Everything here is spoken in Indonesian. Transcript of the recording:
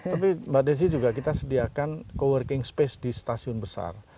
tapi mbak desi juga kita sediakan co working space di stasiun besar